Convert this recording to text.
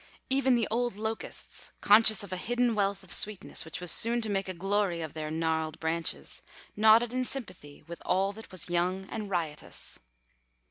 Even the old locusts, conscious of a hidden wealth of sweetness which was soon to make a glory of their gnarled branches, nodded in sympathy with all that was young and riotous.